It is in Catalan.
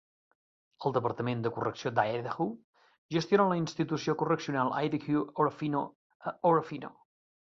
El departament de correcció d'Idaho gestiona la institució correccional Idaho-Orofino a Orofino.